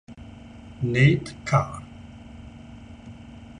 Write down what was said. Nate Carr